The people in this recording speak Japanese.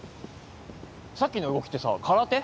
さっきの動きってさ空手？